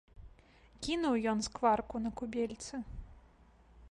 Кінуў ён скварку на кубельцы.